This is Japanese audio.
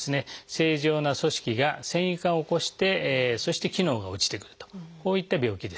正常な組織が線維化を起こしてそして機能が落ちてくるとこういった病気ですね。